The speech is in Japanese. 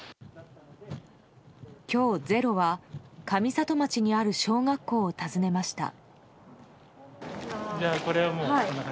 今日「ｚｅｒｏ」は上里町にある小学校を訪ねました。